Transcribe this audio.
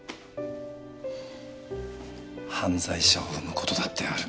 犯罪者を生む事だってある。